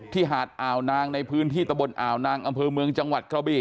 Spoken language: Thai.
หาดอ่าวนางในพื้นที่ตะบนอ่าวนางอำเภอเมืองจังหวัดกระบี่